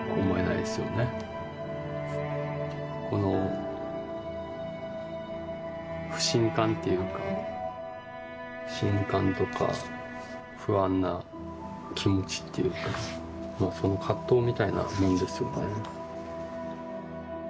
この不信感っていうか不信感とか不安な気持ちっていうかその葛藤みたいなもんですよね。